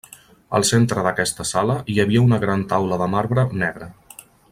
Al centre d'aquesta sala hi havia una gran taula de marbre negre.